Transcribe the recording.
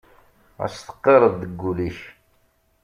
Ad s-teqqareḍ deg ul-ik.